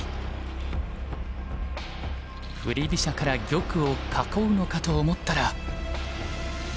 振り飛車から玉を囲うのかと思ったら。